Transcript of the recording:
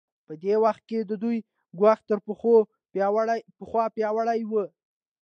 په دې وخت کې د دوی ګواښ تر پخوا پیاوړی و.